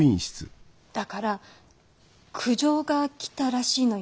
だから苦情が来たらしいのよ